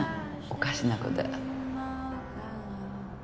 おかしな子で。